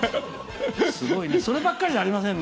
そればっかりではありません。